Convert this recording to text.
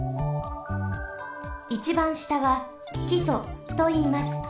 いちばんしたはきそといいます。